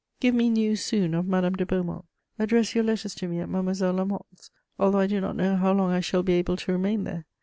Give me news soon of Madame de Beaumont. Address your letters to me at Mademoiselle Lamotte's, although I do not know how long I shall be able to remain there.